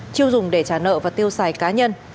tiêu dùng để trả nợ và tiêu xài cá nhân